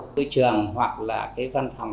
cơ trường hoặc là cái văn phòng